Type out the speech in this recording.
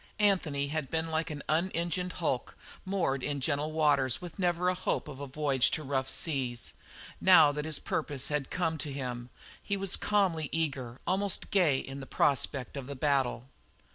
Anthony had been like the unengined hulk, moored in gentle waters with never the hope of a voyage to rough seas. Now that his purpose came to him he was calmly eager, almost gay in the prospect of the battle.